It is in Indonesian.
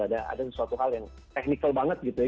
ada sesuatu hal yang technical banget gitu ya